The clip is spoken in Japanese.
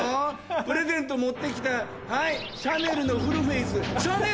プレゼント持って来たはいシャネルのフルフェイス。